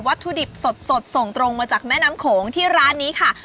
ถุดิบสดส่งตรงมาจากแม่น้ำโขงที่ร้านนี้ค่ะ